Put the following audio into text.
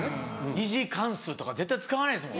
二次関数とか絶対使わないです。